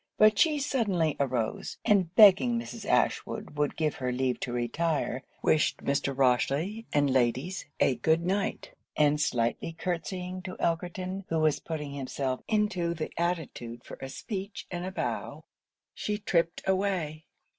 But she suddenly arose; and begging Mrs. Ashwood would give her leave to retire, wished Mr. Rochely and ladies a good night; and slightly curtseying to Elkerton, who was putting himself into the attitude for a speech and a bow, she tripped away.